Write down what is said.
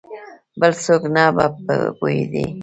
بل څوک نه په پوهېدی !